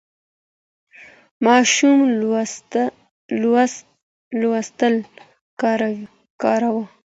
ماشوم لوستل کاوه.